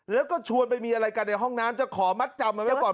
แล้วก็ชวนไปมีอะไรกันในห้องน้ำจะขอมัดจำมันไว้ก่อน